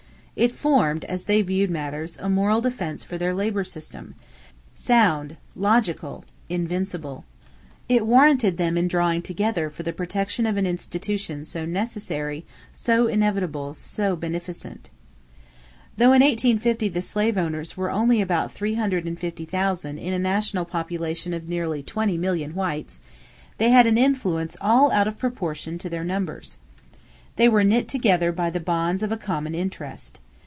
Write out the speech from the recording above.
It formed, as they viewed matters, a moral defense for their labor system sound, logical, invincible. It warranted them in drawing together for the protection of an institution so necessary, so inevitable, so beneficent. Though in 1850 the slave owners were only about three hundred and fifty thousand in a national population of nearly twenty million whites, they had an influence all out of proportion to their numbers. They were knit together by the bonds of a common interest.